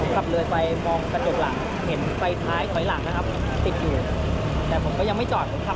เขาก็ยังขึ้นไม่ได้ผมก็เลยขับไปจนถึงด่านช่างครับ